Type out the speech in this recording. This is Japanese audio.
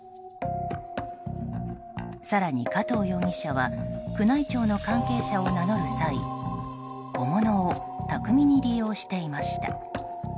更に、加藤容疑者は宮内庁の関係者を名乗る際小物を巧みに利用していました。